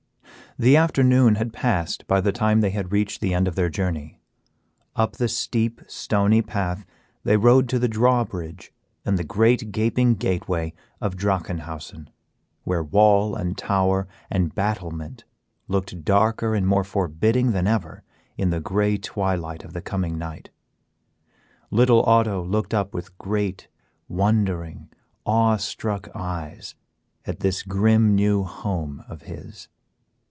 The afternoon had passed by the time they had reached the end of their journey. Up the steep, stony path they rode to the drawbridge and the great gaping gateway of Drachenhausen, where wall and tower and battlement looked darker and more forbidding than ever in the gray twilight of the coming night. Little Otto looked up with great, wondering, awe struck eyes at this grim new home of his.